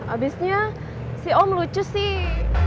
abisnya si om lucu sih